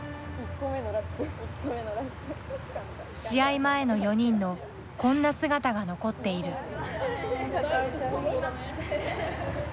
試合前の４人のこんな姿が残っている。